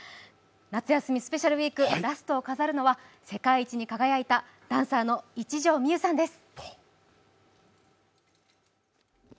夏休みスペシャルウイークラストを飾るのは、世界一に輝いたダンサーの一条未悠さんです。